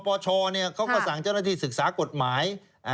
ชเขาก็สั่งเจ้าหน้าที่ศึกษากฎหมาย